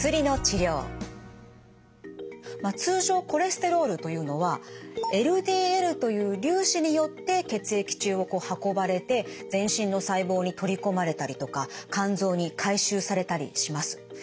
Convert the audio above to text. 通常コレステロールというのはＬＤＬという粒子によって血液中を運ばれて全身の細胞に取り込まれたりとか肝臓に回収されたりします。